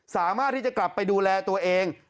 สามารถที่จะกลับไปดูแลตัวเอง